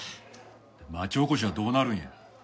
町おこしはどうなるんや。